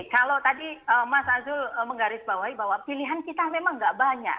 kalau tadi mas azul menggarisbawahi bahwa pilihan kita memang nggak banyak